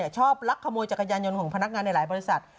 ลักขโมยจักรยานยนต์ของพนักงานในหลายบริษัท